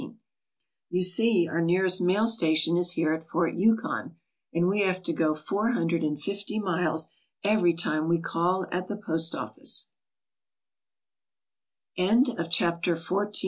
You see our nearest mail station is here at Fort Yukon, and we have to go four hundred and fifty miles every time we call at the